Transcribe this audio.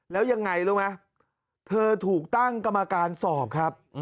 แล้วยังไงรู้ไหมเธอถูกตั้งกรรมการสอบครับ